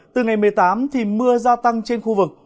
từ ngày một mươi tám thì mưa gia tăng trên khu vực